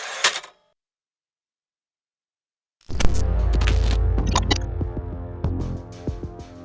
วิทยุคลพร้อมตลอดโหล